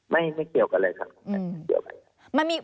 ไม่เกี่ยวกับอะไรครับ